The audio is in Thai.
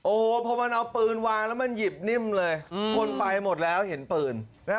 โอ้โหพอมันเอาปืนวางแล้วมันหยิบนิ่มเลยคนไปหมดแล้วเห็นปืนนะฮะ